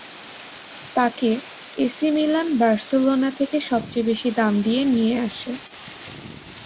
তাকে A C Milan Barcelona থেকে সবচেয়ে বেশি দাম দিয়ে নিয়ে আসে।